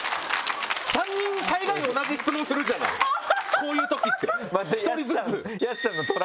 ３人大概同じ質問するじゃないこういうときって１人ずつ。